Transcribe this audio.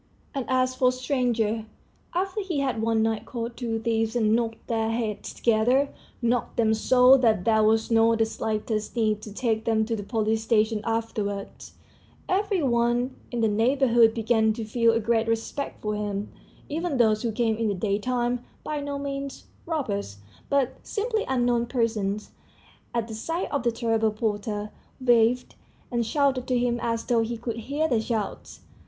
And as for strangers, after he had one night caught two thieves and knocked their heads together knocked them so that there was not the slightest need to take them to the police station afterwards every one in the neighborhood began to feel a great respect for him; even those who came in the daytime, by no means robbers, but simply unknown persons, at the sight of the terrible porter, waved and shouted to him as though he could hear their shouts.